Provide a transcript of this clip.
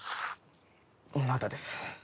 まだです。